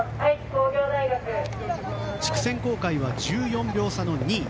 地区選考会は１４秒差の２位。